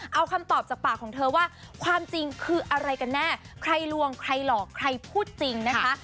เอาคำตอบจากปากของเธอว่าความจริงคืออะไรกันแน่ใครลวงใครหลอกใครพูดจริงนะคะ